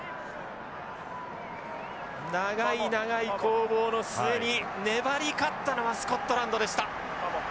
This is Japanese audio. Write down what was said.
長い長い攻防の末に粘り勝ったのはスコットランドでした。